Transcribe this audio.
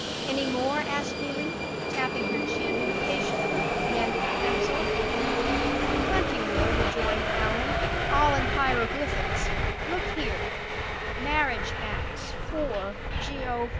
Any more?" asked Neelie, tapping her chin impatiently with the end of the pencil. "Plenty more," rejoined Allan; "all in hieroglyphics. Look here: 'Marriage Acts, 4 Geo.